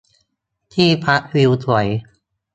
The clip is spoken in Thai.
ที่พักวิวสวย